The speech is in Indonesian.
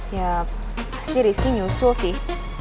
ya pasti rizky nyusul sih